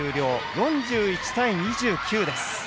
４１対２９です。